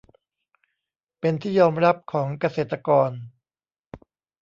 เป็นที่ยอมรับของเกษตรกร